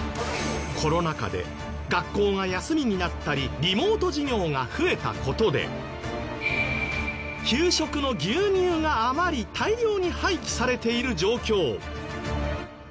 コロナ禍で学校が休みになったりリモート授業が増えた事で給食の牛乳が余り大量に廃棄されている状況。